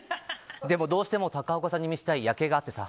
でもどうしても高岡さんに見せたい夜景があってさ。